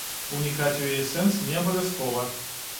Унікаць у яе сэнс не абавязкова.